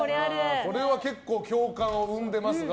これは結構共感を生んでいますが。